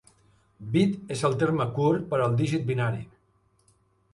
Bit és el terme curt per al dígit binari.